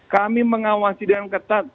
kami mengawasi dengan ketat